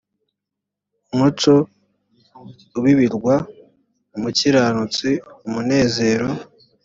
umucyo ubibirwa umukiranutsi umunezero